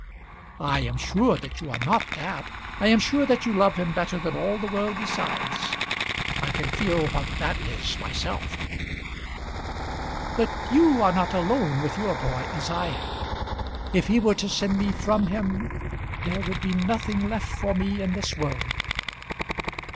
"I am sure that you are not that. I am sure that you love him better than all the world besides. I can feel what that is myself." "But you are not alone with your boy as I am. If he were to send me from him, there would be nothing left for me in this world."